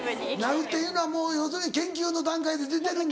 なるっていうのは要するに研究の段階で出てるんだ。